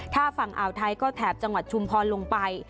ถ้าฝั่งอ่าวไทยก็แถบจังหวัดชุมพรลงไป